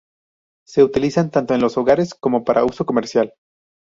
Se utilizan tanto en los hogares como para uso comercial.